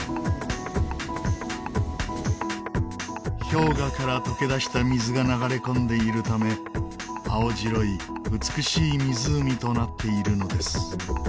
氷河から溶け出した水が流れ込んでいるため青白い美しい湖となっているのです。